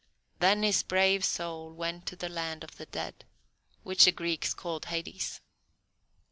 Then his brave soul went to the land of the Dead, which the Greeks called Hades.